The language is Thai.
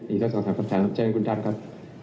อีกสัก๒๓คำถามเชิญคุณดำครับ